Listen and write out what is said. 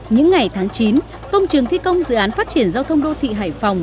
những ngày tháng chín công trường thi công dự án phát triển giao thông đô thị hải phòng